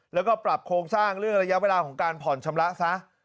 แล้วก็ปรับโครงสร้างเรื่องระยะเวลาของการผ่อนชำระซะ